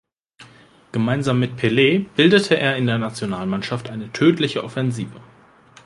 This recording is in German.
Gemeinsam mit Pelé bildete er in der Nationalmannschaft eine tödliche Offensive.